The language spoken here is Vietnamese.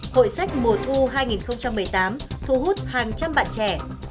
hội sách mùa thu hai nghìn một mươi tám thu hút hàng trăm bạn trẻ